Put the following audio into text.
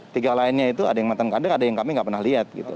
tiga lainnya itu ada yang mantan kader ada yang kami nggak pernah lihat gitu